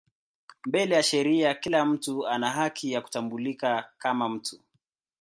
Mbele ya sheria kila mtu ana haki ya kutambulika kama mtu.